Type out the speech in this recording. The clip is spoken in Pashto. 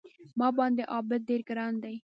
ما باندې عابد ډېر ګران دی